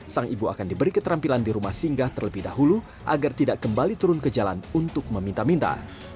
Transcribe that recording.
sang ibu akan diberi keterampilan di rumah singgah terlebih dahulu agar tidak kembali turun ke jalan untuk meminta minta